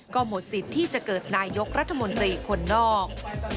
ก็หมดสิทธิ์ที่จะเกิดนายกรัฐมนตรีคนนอก